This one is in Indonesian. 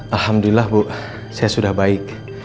alhamdulillah bu saya sudah baik